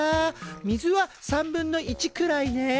水は３分の１くらいね。